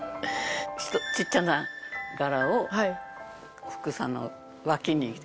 ちっちゃな柄をふくさの脇に染め描いて。